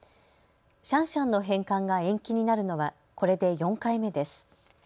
シャンシャンの返還が延期になるのは、これで４回目です。